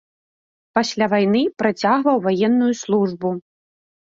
Пасля вайны працягваў ваенную службу.